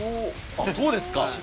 そうですか。